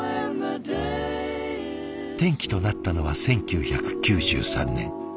転機となったのは１９９３年。